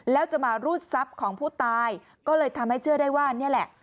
แล้วจะมารูดทรัพย์ของผู้ตายก็เลยทำให้เชื่อได้ว่านี่แหละ